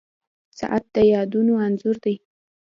• ساعت د یادونو انځور دی.